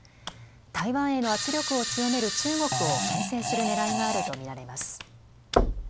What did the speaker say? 台湾への圧力を強める中国をけん制するねらいがあると見られます。